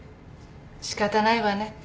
仕方ないわねって。